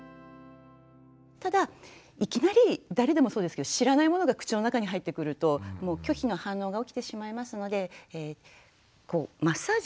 ただいきなり誰でもそうですけど知らないものが口の中に入ってくると拒否の反応が起きてしまいますのでマッサージっていうんですかね